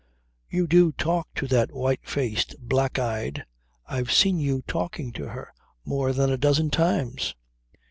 "You do talk to that white faced, black eyed ... I've seen you talking to her more than a dozen times."